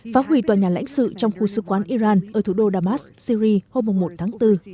phá hủy tòa nhà lãnh sự trong khu sứ quán iran ở thủ đô damas syri hôm một tháng bốn